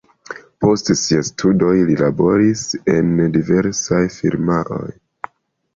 Post siaj studoj li laboris en diversaj firmaoj.